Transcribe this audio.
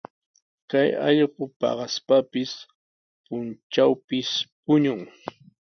Kay allqu paqaspapis, puntrawpis puñun.